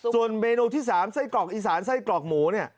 ส่วนเมนูที่๓ไส้กรอกอีสานไส้กรอกหมูเนี่ย